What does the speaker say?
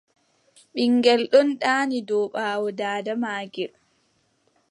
Ɓiŋngel ɗon ɗaani dow ɓaawo daada maagel.